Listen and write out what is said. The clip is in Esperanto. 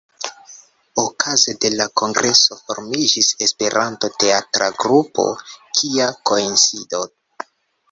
Okaze de la kongreso formiĝis Esperanto-teatra grupo "Kia koincido".